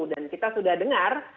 dan kita sudah dengar